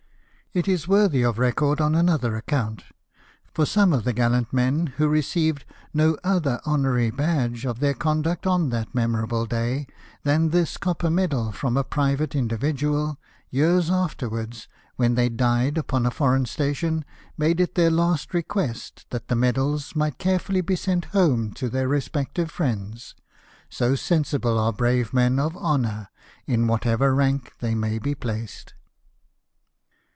It is worthy of record on another account — for some of the gallant men who received no other honorary badge of their conduct on that memorable day than this copper medal from a private individual, years afterwards, when they died upon a foreign station, made it their last request that the medals might carefully be sent home to their respective friends — so sensible are brave men of honour, in whatever rank they may be placed.